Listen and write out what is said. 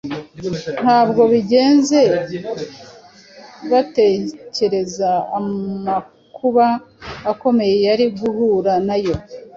ntabwo bigeze batekereza amakuba akomeye yari guhura nayo